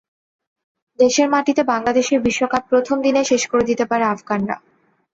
দেশের মাটিতে বাংলাদেশের বিশ্বকাপ প্রথম দিনেই শেষ করে দিতে পারে আফগানরা।